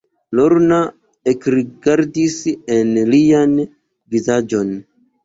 Lorna ekrigardis en lian vizaĝon.